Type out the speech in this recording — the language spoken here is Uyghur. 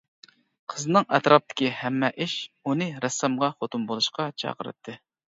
قىزنىڭ ئەتراپتىكى ھەممە ئىش ئۇنى رەسسامغا خوتۇن بولۇشقا چاقىراتتى.